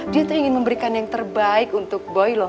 dia tuh ingin memberikan yang terbaik untuk boylo